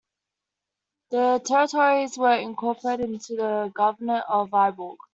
The territories were incorporated into the Governorate of Vyborg.